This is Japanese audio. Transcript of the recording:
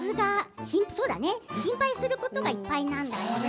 心配することがいっぱいなんだね。